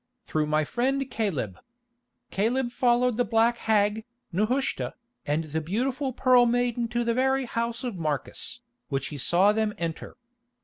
"Through my friend Caleb. Caleb followed the black hag, Nehushta, and the beautiful Pearl Maiden to the very house of Marcus, which he saw them enter.